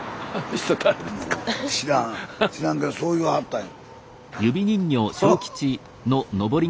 スタジオ知らんけどそう言わはったんや。